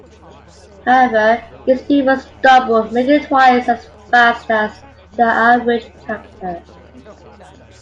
However, its speed was doubled, making it twice as fast as the average character.